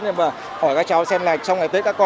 nhưng mà hỏi các cháu xem là trong ngày tết các con